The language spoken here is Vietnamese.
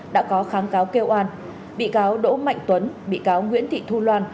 đã có kháng cáo kêu oan bị cáo đỗ mạnh tuấn bị cáo nguyễn thị thu loan